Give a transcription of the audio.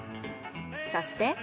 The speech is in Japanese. そして。